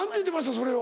それを。